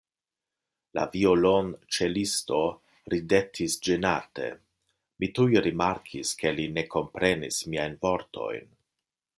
La violonĉelisto ridetis ĝenate; mi tuj rimarkis, ke li ne komprenis miajn vortojn.